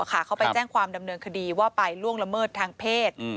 เขาไปแจ้งความดำเนินคดีว่าไปล่วงละเมิดทางเพศ